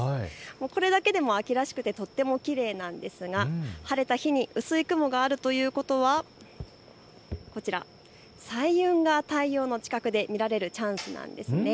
これだけでも秋らしくてとってもきれいなんですが晴れた日に薄い雲があるということはこちら、彩雲が太陽の近くで見られるチャンスなんです。